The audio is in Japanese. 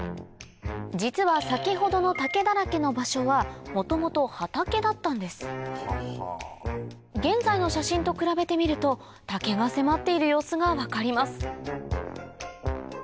実は先ほどの竹だらけの場所は元々畑だったんです現在の写真と比べてみると竹が迫っている様子が分かります